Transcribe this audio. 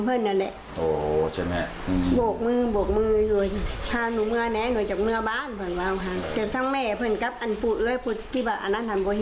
เพื่อนเห่าเห็น